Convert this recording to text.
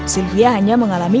sylvia hanya mengalami